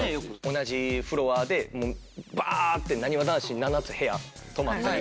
同じフロアでもうバーッてなにわ男子７つ部屋泊まったり。